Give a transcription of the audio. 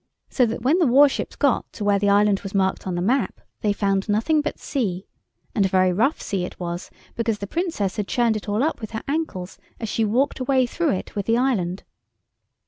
So that when the warships got to where the island was marked on the map they found nothing but sea, and a very rough sea it was, because the Princess had churned it all up with her ankles as she walked away through it with the island.